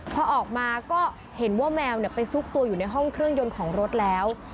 พอออกมาก็เห็นว่าแมวไปซุกตัวอยู่ในห้องเครื่องยนต์ของรถแล้ว